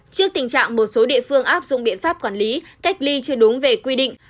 trước tình trạng một số địa phương áp dụng biện pháp quản lý cách ly chưa đúng về quy định